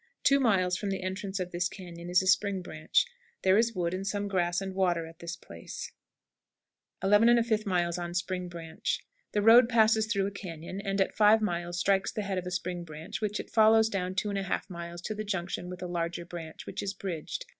Two miles from the entrance of this cañon is a spring branch. There is wood and some grass and water at this place. 11 1/5. Spring Branch. The road passes through a cañon, and at 5 miles strikes the head of a spring branch, which it follows down 2 1/2 miles to the junction with a larger branch, which is bridged.